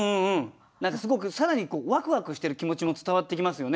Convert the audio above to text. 何かすごく更にわくわくしてる気持ちも伝わってきますよね。